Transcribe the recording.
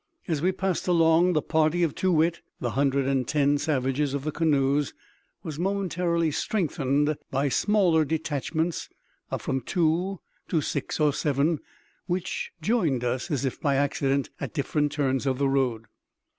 As we passed along, the party of Too wit (the whole hundred and ten savages of the canoes) was momentarily strengthened by smaller detachments, of from two to six or seven, which joined us, as if by accident, at different turns of the road.